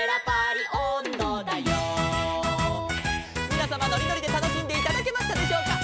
「みなさまのりのりでたのしんでいただけましたでしょうか」